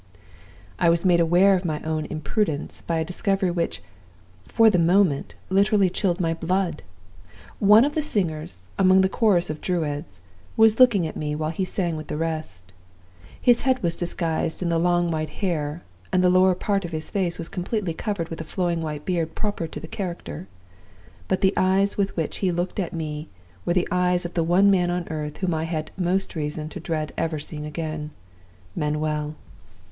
"I was made aware of my own imprudence by a discovery which, for the moment, literally chilled my blood. One of the singers, among the chorus of Druids, was looking at me while he sang with the rest. His head was disguised in the long white hair, and the lower part of his face was completely covered with the flowing white beard proper to the character. But the eyes with which he looked at me were the eyes of the one man on earth whom I have most reason to dread ever seeing again Manuel!